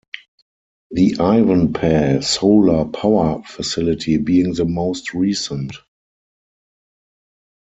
The Ivanpah Solar Power Facility being the most recent.